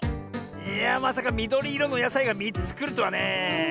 いやまさかみどりいろのやさいが３つくるとはねえ。